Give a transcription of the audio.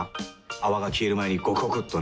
泡が消える前にゴクゴクっとね。